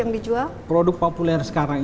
dijadikan kemeja dan lain sebagainya